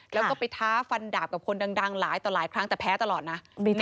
แล้วก็ไปท้าฟันดาบกับคนดังหลายต่อหลายครั้งแต่แพ้ตลอดนะ